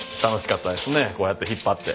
こうやって引っ張って。